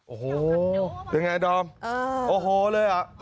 โอ้โหเป็นไงดอมโอ้โหเลย